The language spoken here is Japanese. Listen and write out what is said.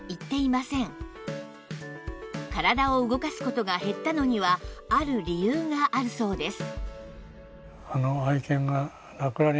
体を動かす事が減ったのにはある理由があるそうです